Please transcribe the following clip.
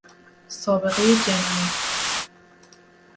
سابقهی جنایی